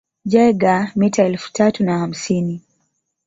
Jaeger mita elfu tatu na hamsini